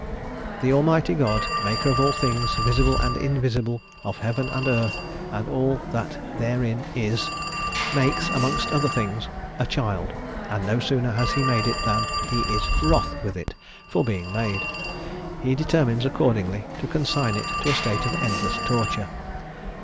The Almighty God, maker of all things, visible and 'invisible,' 'of heaven and earth, and all that therein is.' makes, amongst other things, a child: and no sooner has he made it, than he is 'wrath' with it for being made. He determines accordingly to consign it to a state of endless torture.